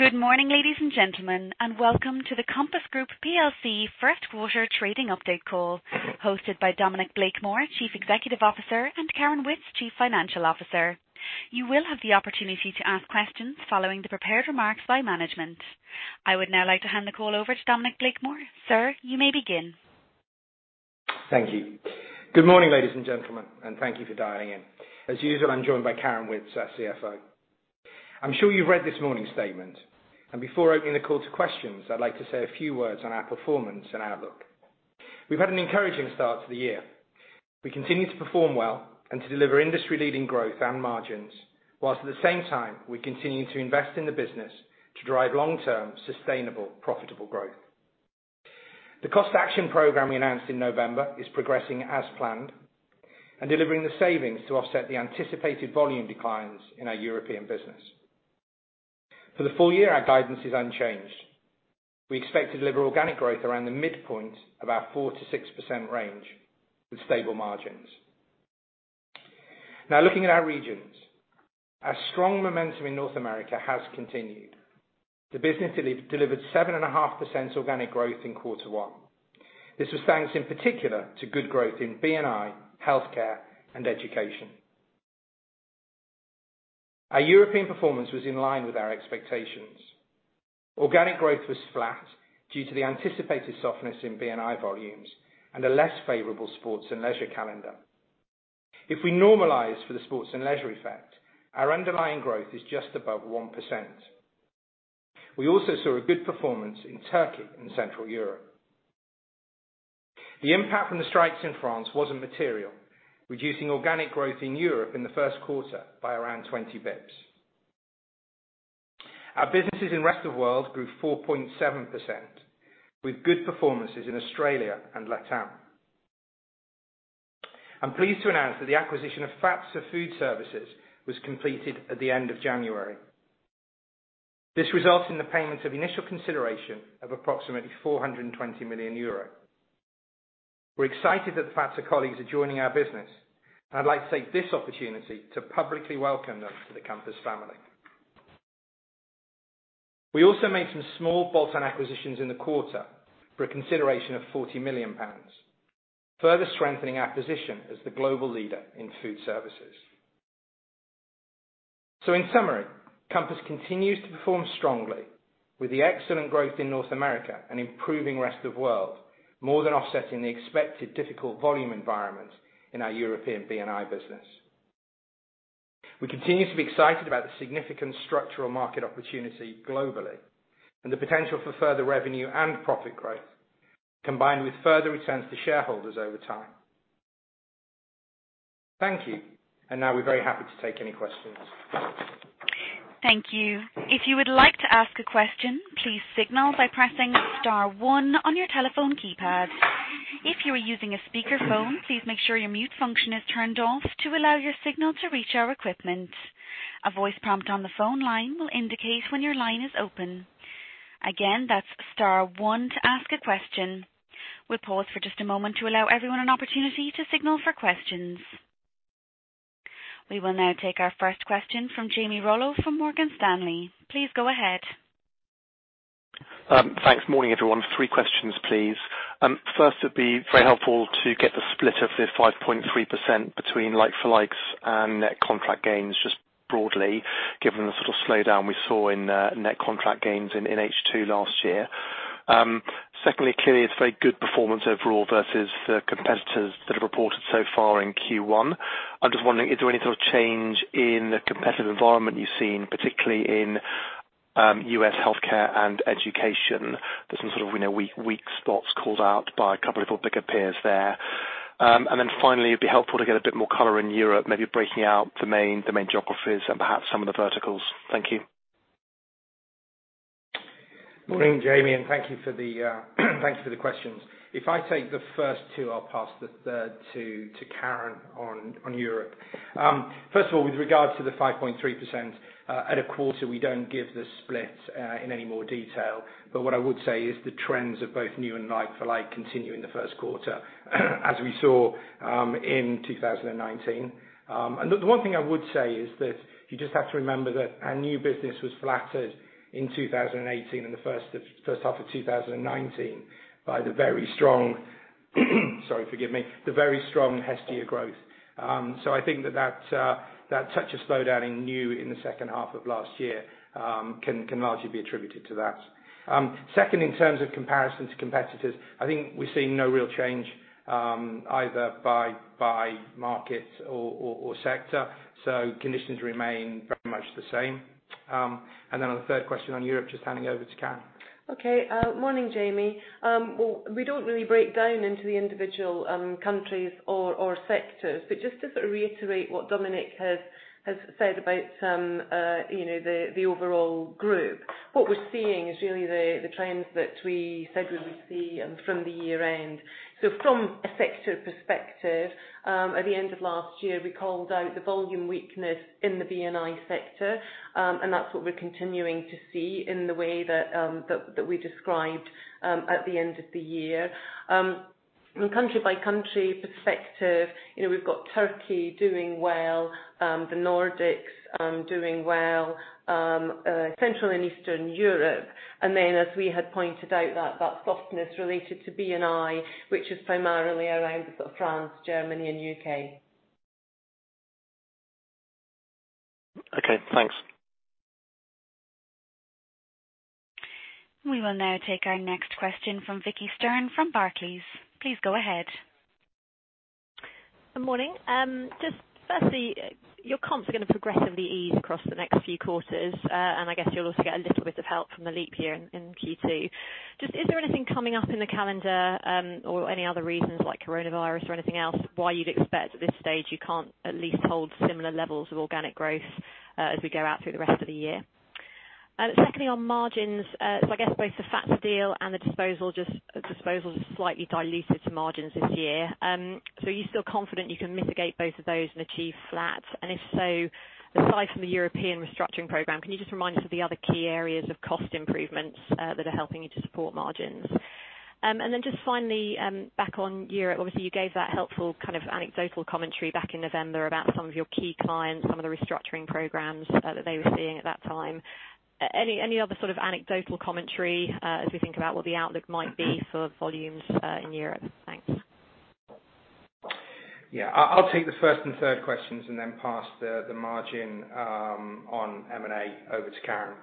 Good morning, ladies and gentlemen, and welcome to the Compass Group PLC First Quarter Trading Update Call hosted by Dominic Blakemore, Chief Executive Officer, and Karen Witts, Chief Financial Officer. You will have the opportunity to ask questions following the prepared remarks by management. I would now like to hand the call over to Dominic Blakemore. Sir, you may begin. Thank you. Good morning, ladies and gentlemen, and thank you for dialing in. As usual, I'm joined by Karen Witts, our CFO. I'm sure you've read this morning's statement, and before opening the call to questions, I'd like to say a few words on our performance and outlook. We've had an encouraging start to the year. We continue to perform well and to deliver industry-leading growth and margins, whilst at the same time we continue to invest in the business to drive long-term, sustainable, profitable growth. The cost action program we announced in November is progressing as planned and delivering the savings to offset the anticipated volume declines in our European business. For the full year, our guidance is unchanged. We expect to deliver organic growth around the midpoint of our 4%-6% range with stable margins. Looking at our regions. Our strong momentum in North America has continued. The business delivered 7.5% organic growth in quarter one. This was thanks in particular to good growth in B&I, healthcare, and education. Our European performance was in line with our expectations. Organic growth was flat due to the anticipated softness in B&I volumes and a less favorable sports and leisure calendar. If we normalize for the sports and leisure effect, our underlying growth is just above 1%. We also saw a good performance in Turkey and Central Europe. The impact from the strikes in France wasn't material, reducing organic growth in Europe in the first quarter by around 20 bps. Our businesses in rest of world grew 4.7%, with good performances in Australia and LATAM. I'm pleased to announce that the acquisition of Fazer Food Services was completed at the end of January. This results in the payment of initial consideration of approximately 420 million euro. We're excited that Fazer colleagues are joining our business. I'd like to take this opportunity to publicly welcome them to the Compass family. We also made some small bolt-on acquisitions in the quarter for a consideration of 40 million pounds, further strengthening our position as the global leader in food services. In summary, Compass continues to perform strongly with the excellent growth in North America and improving rest of world, more than offsetting the expected difficult volume environment in our European B&I business. We continue to be excited about the significant structural market opportunity globally and the potential for further revenue and profit growth, combined with further returns to shareholders over time. Thank you. Now we're very happy to take any questions. Thank you. If you would like to ask a question, please signal by pressing star one on your telephone keypad. If you are using a speakerphone, please make sure your mute function is turned off to allow your signal to reach our equipment. A voice prompt on the phone line will indicate when your line is open. Again, that's star one to ask a question. We'll pause for just a moment to allow everyone an opportunity to signal for questions. We will now take our first question from Jamie Rollo from Morgan Stanley. Please go ahead. Thanks. Morning everyone. Three questions, please. First, it'd be very helpful to get the split of the 5.3% between like-for-likes and net contract gains just broadly, given the sort of slowdown we saw in net contract gains in H2 last year. Secondly, clearly it's very good performance overall versus the competitors that have reported so far in Q1. I'm just wondering, is there any sort of change in the competitive environment you're seeing, particularly in U.S. healthcare and education? There's some sort of weak spots called out by a couple of bigger peers there. Finally, it'd be helpful to get a bit more color in Europe, maybe breaking out the main geographies and perhaps some of the verticals. Thank you. Morning, Jamie, and thank you for the questions. If I take the first two, I'll pass the third to Karen on Europe. First of all, with regards to the 5.3%, at a quarter, we don't give the split in any more detail. What I would say is the trends of both new and like-for-like continue in the first quarter, as we saw in 2019. The one thing I would say is that you just have to remember that our new business was flattered in 2018 and the first half of 2019 by the very strong, sorry, forgive me, the very strong Hestia growth. I think that such a slowdown in new in the second half of last year can largely be attributed to that. Second, in terms of comparison to competitors, I think we're seeing no real change either by market or sector. Conditions remain very much the same. On the third question on Europe, just handing over to Karen. Morning, Jamie. Well, we don't really break down into the individual countries or sectors. Just to sort of reiterate what Dominic has said about the overall group, what we're seeing is really the trends that we said we would see from the year-end. From a sector perspective, at the end of last year, we called out the volume weakness in the B&I sector. That's what we're continuing to see in the way that we described at the end of the year. From country by country perspective, we've got Turkey doing well, the Nordics doing well, Central and Eastern Europe. As we had pointed out, that softness related to B&I, which is primarily around France, Germany and U.K. Okay, thanks. We will now take our next question from Vicki Stern from Barclays. Please go ahead. Good morning. Just firstly, your comps are going to progressively ease across the next few quarters. I guess you'll also get a little bit of help from the leap year in Q2. Just is there anything coming up in the calendar or any other reasons like coronavirus or anything else why you'd expect at this stage you can't at least hold similar levels of organic growth as we go out through the rest of the year? Secondly, on margins, I guess both the Fazer deal and the disposals have slightly diluted margins this year. Are you still confident you can mitigate both of those and achieve flat? If so, aside from the European restructuring program, can you just remind us of the other key areas of cost improvements that are helping you to support margins? Just finally, back on Europe, obviously you gave that helpful anecdotal commentary back in November about some of your key clients, some of the restructuring programs that they were seeing at that time. Any other anecdotal commentary as we think about what the outlook might be for volumes in Europe? Thanks. Yeah. I'll take the first and third questions and then pass the margin on M&A over to Karen.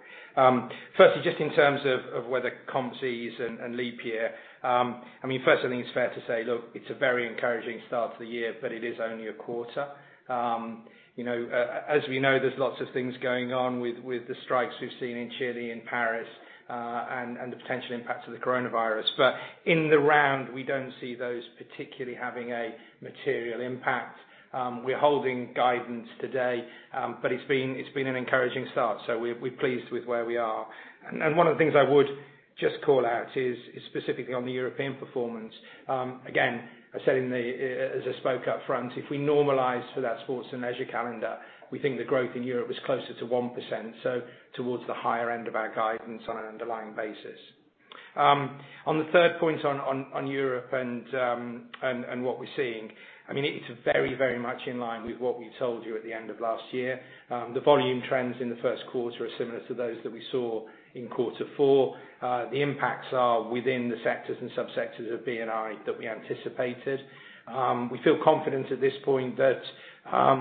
Firstly, just in terms of whether Compass ease and leap year, first I think it's fair to say, look, it's a very encouraging start to the year, but it is only a quarter. As we know, there's lots of things going on with the strikes we've seen in Chile, in Paris, and the potential impact of the coronavirus. In the round, we don't see those particularly having a material impact. We're holding guidance today. It's been an encouraging start. We're pleased with where we are. One of the things I would just call out is specifically on the European performance. Again, as I spoke up front, if we normalize for that sports and leisure calendar, we think the growth in Europe was closer to 1%, so towards the higher end of our guidance on an underlying basis. On the third point on Europe and what we're seeing, it's very much in line with what we told you at the end of last year. The volume trends in the first quarter are similar to those that we saw in quarter four. The impacts are within the sectors and sub-sectors of B&I that we anticipated. We feel confident at this point that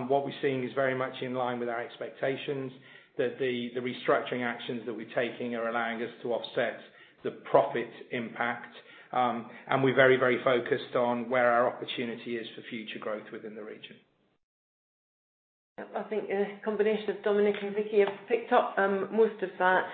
what we're seeing is very much in line with our expectations, that the restructuring actions that we're taking are allowing us to offset the profit impact. We're very focused on where our opportunity is for future growth within the region. I think a combination of Dominic and Vicki have picked up most of that.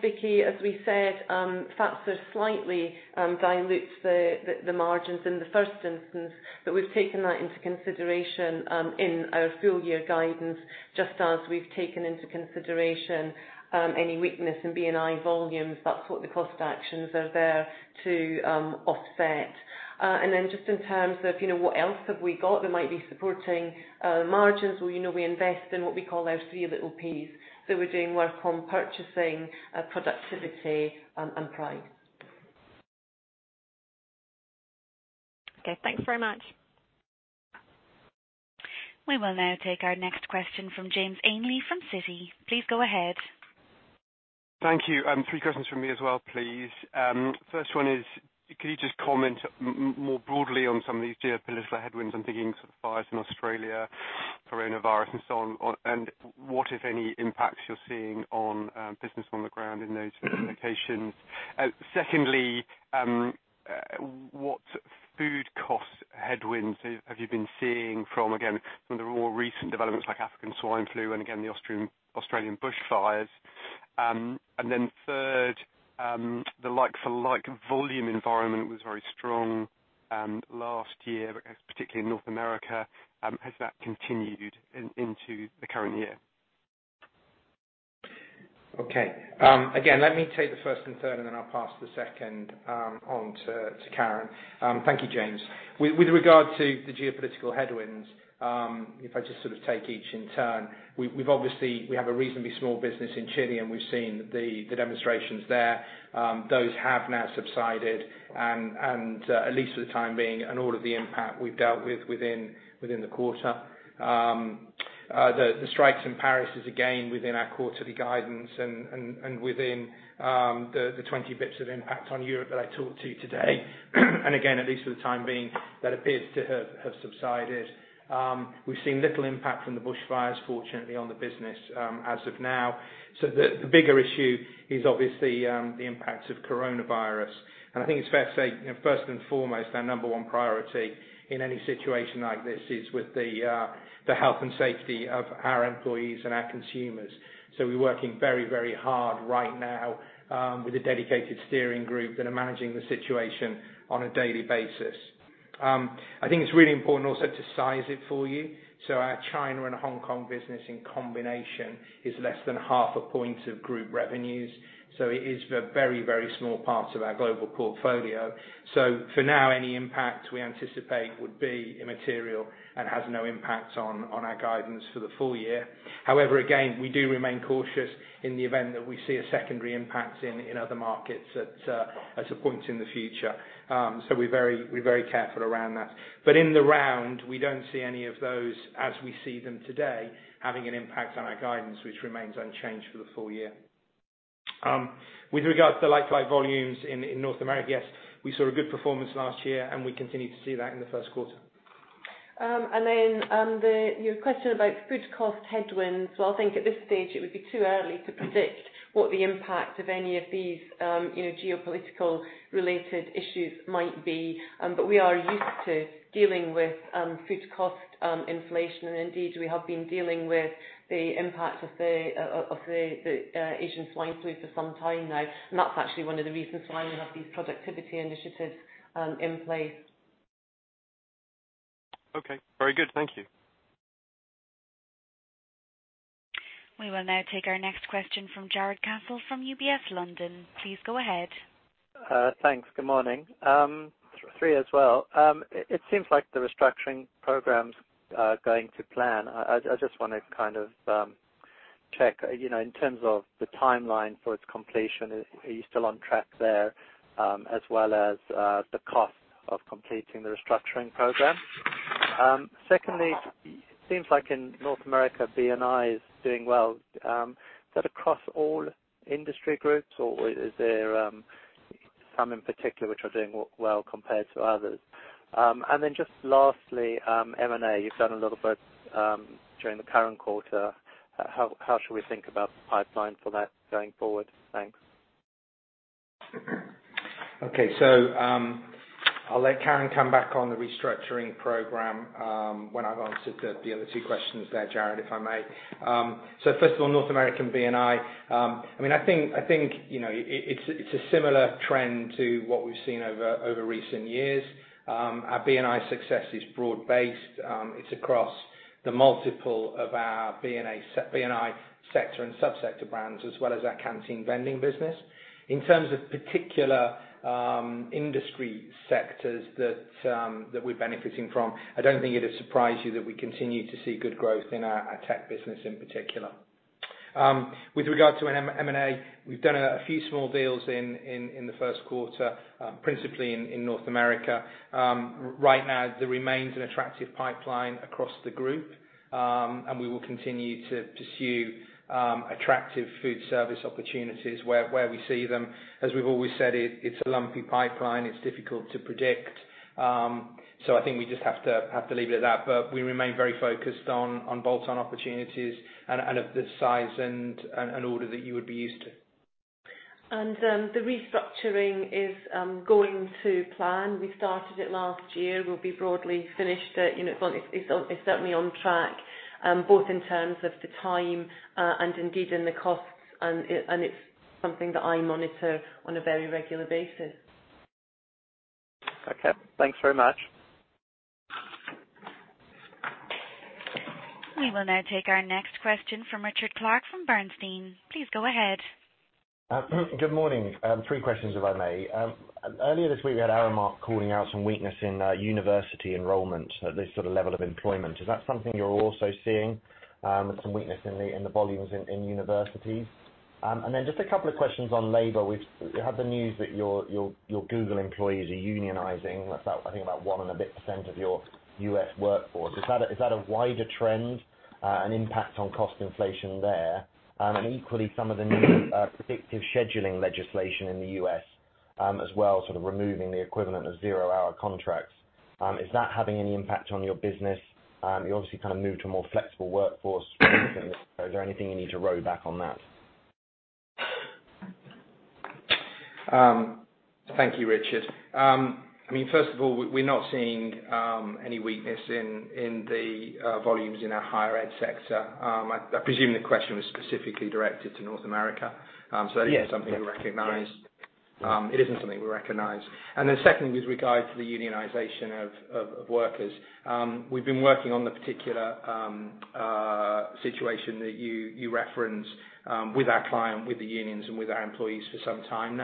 Vicki, as we said, Fazer slightly dilutes the margins in the first instance, but we've taken that into consideration in our full year guidance, just as we've taken into consideration any weakness in B&I volumes. That's what the cost actions are there to offset. Just in terms of what else have we got that might be supporting margins, we invest in what we call our three little Ps. We're doing work on purchasing, productivity and price. Okay, thanks very much. We will now take our next question from James Ainley from Citi. Please go ahead. Thank you. Three questions from me as well, please. First one is, can you just comment more broadly on some of these geopolitical headwinds? I'm thinking fires in Australia, coronavirus, and so on. What, if any, impacts you're seeing on business on the ground in those locations? Secondly, what food cost headwinds have you been seeing from, again, some of the more recent developments like African swine fever and again, the Australian bush fires? Third, the like-for-like volume environment was very strong last year, particularly in North America. Has that continued into the current year? Okay. Again, let me take the first and third, and then I'll pass the second on to Karen. Thank you, James. With regard to the geopolitical headwinds, if I just take each in turn. We have a reasonably small business in Chile, and we've seen the demonstrations there. Those have now subsided, at least for the time being, All of the impact we've dealt with within the quarter. The strikes in Paris is again within our quarterly guidance and within the 20 bps of impact on Europe that I talked to today. Again, at least for the time being, that appears to have subsided. We've seen little impact from the bush fires, fortunately, on the business as of now. The bigger issue is obviously the impact of coronavirus. I think it's fair to say, first and foremost, our number 1 priority in any situation like this is with the health and safety of our employees and our consumers. We're working very, very hard right now with a dedicated steering group that are managing the situation on a daily basis. I think it's really important also to size it for you. Our China and Hong Kong business in combination is less than half a point of group revenues. It is a very, very small part of our global portfolio. For now, any impact we anticipate would be immaterial and has no impact on our guidance for the full year. However, again, we do remain cautious in the event that we see a secondary impact in other markets at some point in the future. We're very careful around that. In the round, we don't see any of those as we see them today having an impact on our guidance, which remains unchanged for the full year. With regards to like-for-like volumes in North America, yes, we saw a good performance last year, and we continue to see that in the first quarter. Your question about food cost headwinds. Well, I think at this stage it would be too early to predict what the impact of any of these geopolitical related issues might be. We are used to dealing with food cost inflation. Indeed, we have been dealing with the impact of the African swine fever for some time now. That's actually one of the reasons why we have these productivity initiatives in place. Okay. Very good. Thank you. We will now take our next question from Jarrod Castle from UBS, London. Please go ahead. Thanks. Good morning. Three as well. It seems like the restructuring program's going to plan. I just want to check, in terms of the timeline for its completion, are you still on track there, as well as the cost of completing the restructuring program? Secondly, it seems like in North America, B&I is doing well. Is that across all industry groups, or is there some in particular which are doing well compared to others? Then just lastly, M&A, you've done a little bit during the current quarter. How should we think about the pipeline for that going forward? Thanks. Okay. I'll let Karen come back on the restructuring program when I've answered the other two questions there, Jarrod, if I may. First of all, North American B&I. I think it's a similar trend to what we've seen over recent years. Our B&I success is broad based. It's across the multiple of our B&I sector and subsector brands, as well as our canteen vending business. In terms of particular industry sectors that we're benefiting from, I don't think it'd surprise you that we continue to see good growth in our tech business in particular. With regard to M&A, we've done a few small deals in the first quarter, principally in North America. Right now, there remains an attractive pipeline across the group. We will continue to pursue attractive food service opportunities where we see them. As we've always said, it's a lumpy pipeline. It's difficult to predict. I think we just have to leave it at that, but we remain very focused on bolt-on opportunities and of the size and order that you would be used to. The restructuring is going to plan. We started it last year. We'll be broadly finished it. It's certainly on track, both in terms of the time, and indeed in the costs. It's something that I monitor on a very regular basis. Okay. Thanks very much. We will now take our next question from Richard Clarke from Bernstein. Please go ahead. Good morning. Three questions, if I may. Earlier this week, we had Aramark calling out some weakness in university enrollment at this sort of level of employment. Is that something you're also seeing, some weakness in the volumes in universities? Just a couple of questions on labor. We've had the news that your Google employees are unionizing. That's, I think, about one and a bit % of your U.S. workforce. Is that a wider trend, an impact on cost inflation there? Equally, some of the predictive scheduling legislation in the U.S., as well, sort of removing the equivalent of zero-hour contracts. Is that having any impact on your business? You obviously moved to a more flexible workforce. Is there anything you need to row back on that? Thank you, Richard. First of all, we're not seeing any weakness in the volumes in our higher ed sector. I presume the question was specifically directed to North America. Yes. It isn't something we recognize. Secondly, with regard to the unionization of workers. We've been working on the particular situation that you referenced, with our client, with the unions, and with our employees for some time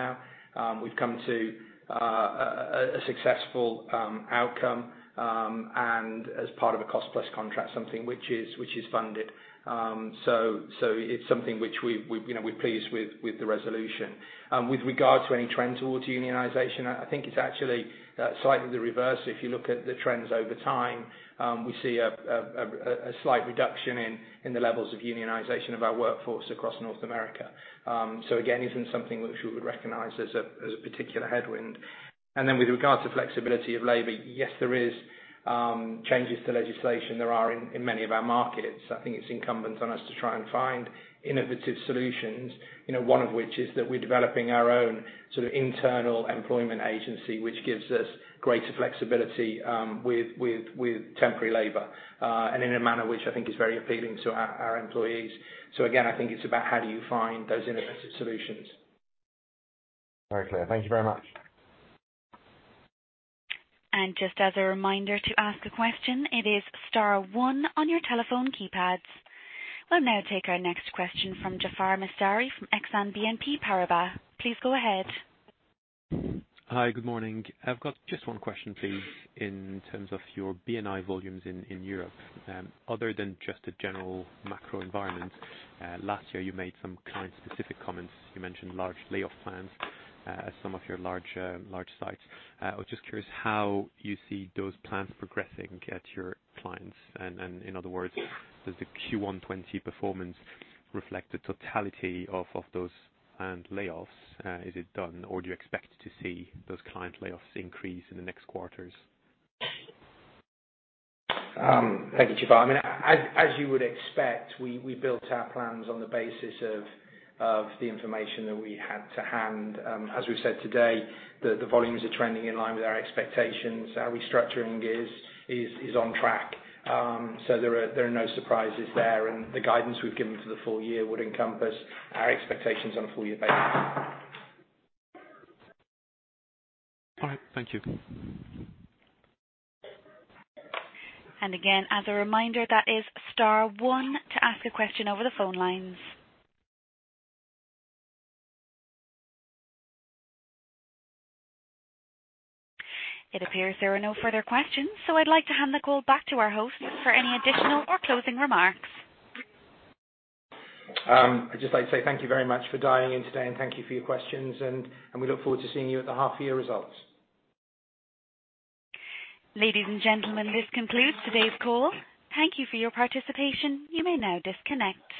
now. We've come to a successful outcome, and as part of a cost-plus contract, something which is funded. It's something which we're pleased with the resolution. With regard to any trend towards unionization, I think it's actually slightly the reverse. If you look at the trends over time, we see a slight reduction in the levels of unionization of our workforce across North America. Again, isn't something which we would recognize as a particular headwind. With regards to flexibility of labor, yes, there is changes to legislation. There are in many of our markets. I think it's incumbent on us to try and find innovative solutions. One of which is that we're developing our own sort of internal employment agency, which gives us greater flexibility with temporary labor. In a manner which I think is very appealing to our employees. Again, I think it's about how do you find those innovative solutions. Very clear. Thank you very much. Just as a reminder, to ask a question, it is star one on your telephone keypads. We'll now take our next question from Jaafar Mestari from Exane BNP Paribas. Please go ahead. Hi. Good morning. I've got just one question, please, in terms of your B&I volumes in Europe. Other than just the general macro environment, last year, you made some client-specific comments. You mentioned large layoff plans at some of your large sites. I was just curious how you see those plans progressing at your clients. In other words, does the Q1 2020 performance reflect the totality of those planned layoffs? Is it done, or do you expect to see those client layoffs increase in the next quarters? Thank you, Jaafar. As you would expect, we built our plans on the basis of the information that we had to hand. As we've said today, the volumes are trending in line with our expectations. Our restructuring is on track. There are no surprises there, and the guidance we've given for the full year would encompass our expectations on a full year basis. All right. Thank you. Again, as a reminder, that is star one to ask a question over the phone lines. It appears there are no further questions, so I'd like to hand the call back to our host for any additional or closing remarks. I'd just like to say thank you very much for dialing in today, and thank you for your questions. We look forward to seeing you at the half year results. Ladies and gentlemen, this concludes today's call. Thank you for your participation. You may now disconnect.